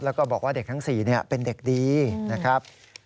แล้วก็บอกว่าเด็กทั้ง๔เป็นเด็กดีนะครับ